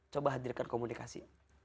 coba hadirkan komunikasi